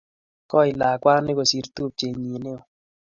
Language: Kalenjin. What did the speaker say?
Koi lakwani kosir tupchennyi ne o.